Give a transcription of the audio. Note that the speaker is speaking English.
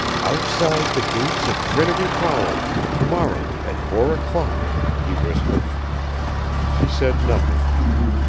"Outside the gates of Trinity College to morrow at four o'clock," he whispered. She said nothing.